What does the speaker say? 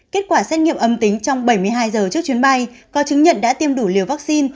kết quả xét nghiệm âm tính trong bảy mươi hai giờ trước chuyến bay có chứng nhận đã tiêm đủ liều vaccine